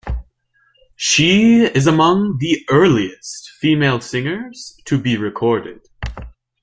She is among the earliest female singers to be recorded.